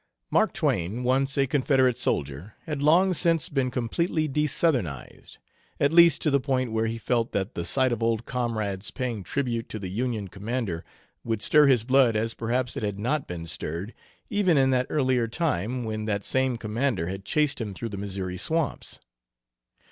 Mark Twain, once a Confederate soldier, had long since been completely "desouthernized" at least to the point where he felt that the sight of old comrades paying tribute to the Union commander would stir his blood as perhaps it had not been stirred, even in that earlier time, when that same commander had chased him through the Missouri swamps.